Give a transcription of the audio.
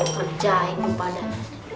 kerjain tuh badan